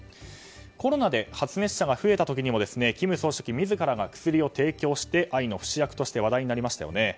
コロナで発熱者が増えた時にも金総書記自らが薬を提供して愛の不死薬として話題になりましたよね。